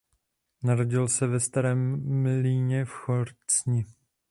Narodil se ve starém mlýně v Chocni.